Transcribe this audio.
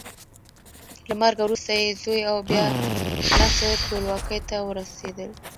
له مرګه وروسته یې زوی او بیا نصر ټولواکۍ ته ورسېدل.